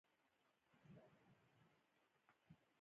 ګډ ژوند د زغم او حوصلې غوښتنه کوي.